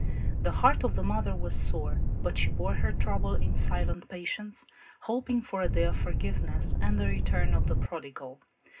The heart of the mother was sore, but she bore her trouble in silent patience, hoping for a day of forgiveness and the return of the prodigal.